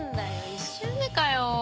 １周目かよ。